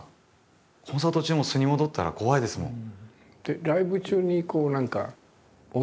コンサート中もう素に戻ったら怖いですもん。